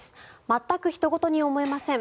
全くひと事に思えません。